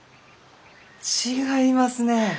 違いますね！